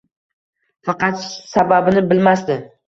faqat sababini bilmasdi.